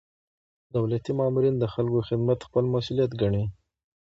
دولتي مامورین د خلکو خدمت خپل مسؤلیت ګڼي.